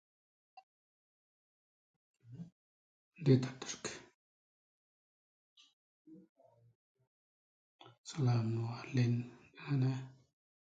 Que em dius com trobar el meu pla de medicació?